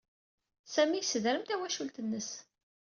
Sami yessedrem tawacult-nnes.